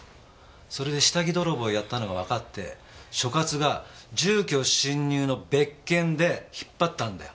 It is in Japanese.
それで下着泥棒やったのがわかって所轄が住居侵入の別件で引っ張ったんだよ。